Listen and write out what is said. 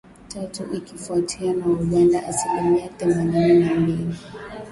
tatu ikifuatiwa na Uganda asilimia themanini na mbili